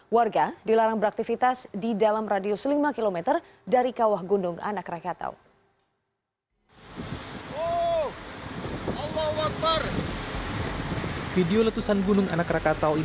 warga dilarang beraktivitas di dalam radius lima km dari kawah gunung anak rakatau